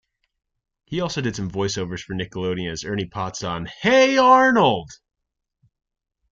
He also did some voiceovers for Nickelodeon as Ernie Potts on Hey Arnold!